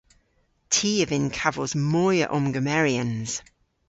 Ty a vynn kavos moy a omgemeryans.